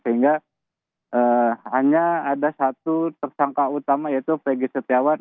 sehingga hanya ada satu tersangka utama yaitu pg setiawan